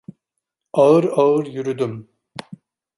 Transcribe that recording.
Ağır ağır yürüdüm.